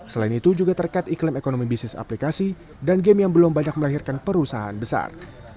selain itu juga terkait iklim ekonomi bisnis aplikasi dan game yang belum banyak melahirkan perusahaan besar